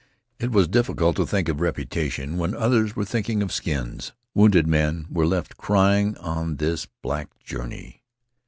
It was difficult to think of reputation when others were thinking of skins. Wounded men were left crying on this black journey.